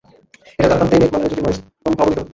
এটার দ্বারপ্রান্তেই মেঘমালার জ্যোতির্ময় স্তম্ভ অবতীর্ণ হত।